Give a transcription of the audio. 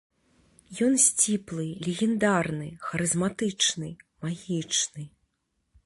Ён сціплы, легендарны, харызматычны, магічны.